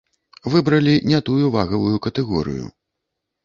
Выбралі не тую вагавую катэгорыю.